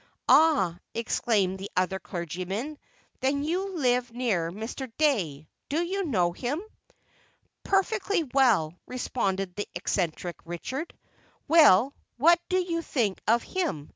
"Ah," exclaimed the other clergyman; "then you live near Mr. Dey: do you know him?" "Perfectly well," responded the eccentric Richard. "Well, what do you think of him?"